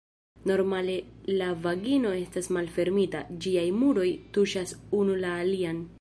Normale la vagino estas malfermita, ĝiaj muroj tuŝas unu la alian.